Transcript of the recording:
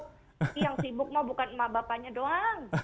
tapi yang sibuk mah bukan emak bapaknya doang